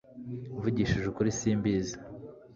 mvugishije ukuri simbizi